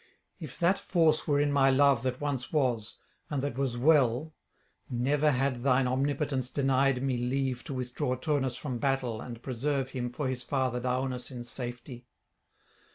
If that force were in my love that once was, and that was well, never had thine omnipotence denied me leave to withdraw Turnus from battle and preserve him for his father Daunus in safety.